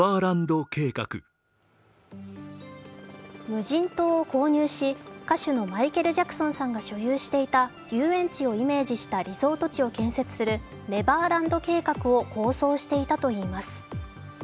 無人島を購入し、歌手のマイケル・ジャクソンさんが所有していた遊園地をイメージしたリゾート地を建設する、ネバーランド計画を構想していたといいます。